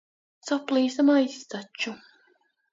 Saplīsa maiss taču.